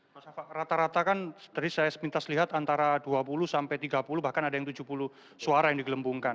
mas eva rata rata kan tadi saya sepintas lihat antara dua puluh sampai tiga puluh bahkan ada yang tujuh puluh suara yang digelembungkan